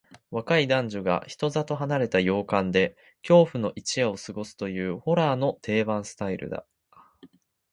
若い男女が人里離れた洋館で恐怖の一夜を過ごすという、ホラーの定番スタイルだ。